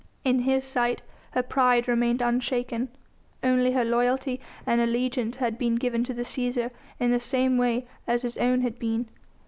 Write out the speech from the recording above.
In his sight her pride remained unshaken; only her loyalty and allegiance had been given to the Cæsar in the same way as his own had been.